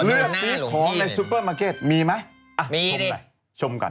เลือกสิทธิ์ของในซูเปอร์มาร์เก็ตมีมั้ยชมก่อน